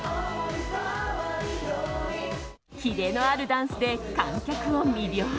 キレのあるダンスで観客を魅了。